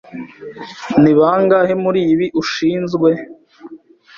Ni bangahe muribi ushinzwe?